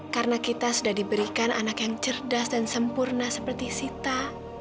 karena kita sudah diberikan anak yang cerdas dan sempurna seperti sita